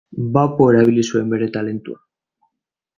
Bapo erabili zuen bere talentua.